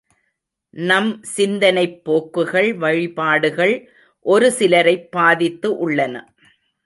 நம் சிந்தனைப் போக்குகள் வழிபாடுகள் ஒரு சிலரைப் பாதித்து உள்ளன.